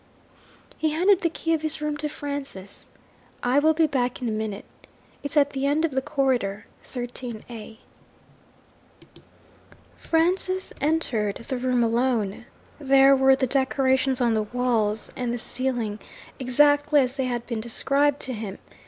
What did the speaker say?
He handed the key of his room to Francis. 'I will be back in a minute. It's at the end of the corridor 13 A.' Francis entered the room alone. There were the decorations on the walls and the ceiling, exactly as they had been described to him!